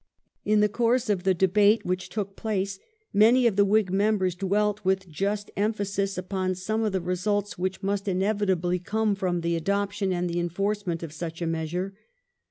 In the course of the debate which took place many of the Whig members dwelt with just emphasis upon some of the results which must inevitably come from the adoption and the enforcement of such a measure.